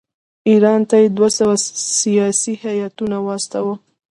ایران ته دوه سیاسي هیاتونه واستوي.